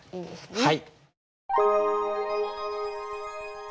はい。